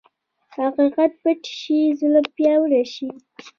حقیقت پټ شي، ظلم پیاوړی شي.